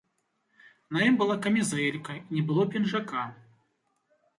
На ім была камізэлька і не было пінжака.